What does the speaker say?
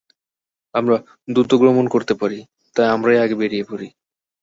আমরা দ্রুত গমন করতে পারি, তাই আমরাই আগে বেরিয়ে পড়ি।